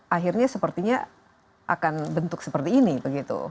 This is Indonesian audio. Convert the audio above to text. akhirnya sepertinya akan bentuk seperti ini begitu